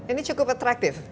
ini cukup atraktif